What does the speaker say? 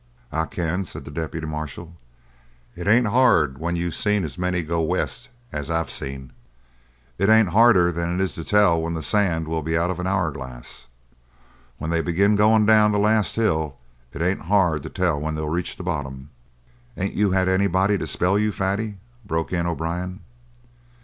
"I can," said the deputy marshal. "It ain't hard when you seen as many go west as I've seen. It ain't harder than it is to tell when the sand will be out of an hour glass. When they begin going down the last hill it ain't hard to tell when they'll reach the bottom." "Ain't you had anybody to spell you, Fatty?" broke in O'Brien.